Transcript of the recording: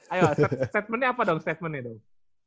ayo statementnya apa dong statementnya dong